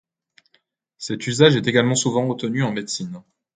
Cet usage est également souvent retenu en médecine.